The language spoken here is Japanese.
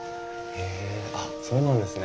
あっそうなんですね。